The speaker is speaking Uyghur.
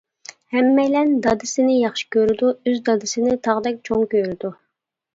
ھەممەيلەن دادىسىنى ياخشى كۆرىدۇ، ئۆز دادىسىنى تاغدەك چوڭ كۆرىدۇ.